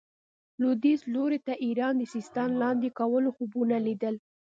لوېدیځ لوري ته ایران د سیستان لاندې کولو خوبونه لیدل.